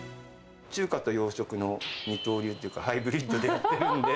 中華と洋食の二刀流というか、ハイブリッド。